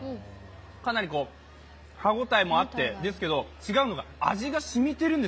かなり歯応えもあって、ですけど違うのが味が染みてるんです。